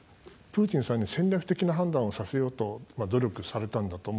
プーチンさんに戦略的な判断をさせようと努力されたんだと思うんです。